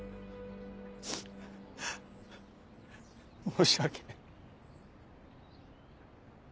申し訳。